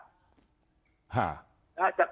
ศาสตร์เกิดใหม่